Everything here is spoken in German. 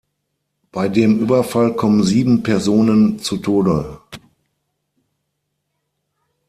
Bei dem Überfall kommen sieben Personen zu Tode.